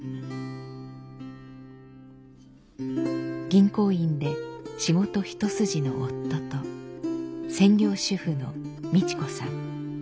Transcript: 銀行員で仕事一筋の夫と専業主婦のミチ子さん。